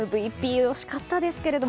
ＭＶＰ、惜しかったですけれど。